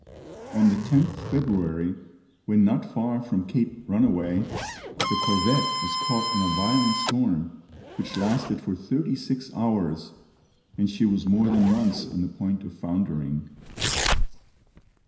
On the 10th February, when not far from Cape Runaway, the corvette was caught in a violent storm, which lasted for thirty six hours, and she was more than once on the point of foundering.